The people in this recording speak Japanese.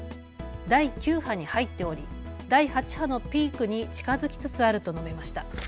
第９波に入っており第８波のピークに近づきつつあると述べました。